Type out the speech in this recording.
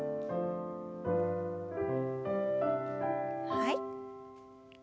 はい。